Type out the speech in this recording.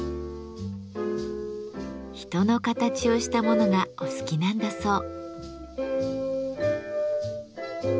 人の形をしたものがお好きなんだそう。